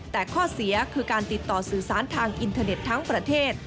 แต่ข้อเสียคือการติดต่อสื่อสารทางอินเทอร์เน็ตทั้งประเทศ